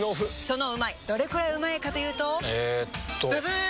そのうまいどれくらいうまいかというとえっとブブー！